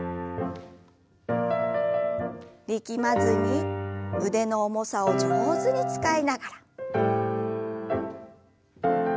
力まずに腕の重さを上手に使いながら。